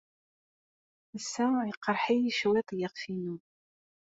Ass-a, yeqreḥ-iyi cwiṭ yiɣef-inu.